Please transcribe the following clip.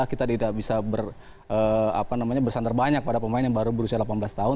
kita tidak bisa bersandar banyak pada pemain yang baru berusia delapan belas tahun